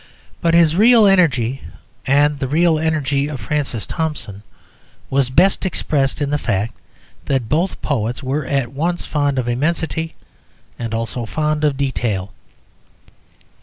But his real energy, and the real energy of Francis Thompson, was best expressed in the fact that both poets were at once fond of immensity and also fond of detail.